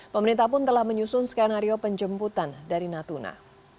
pemerintah pun telah menyusun skenario penjemputan dari natuna